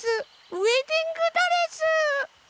ウエディングドレス！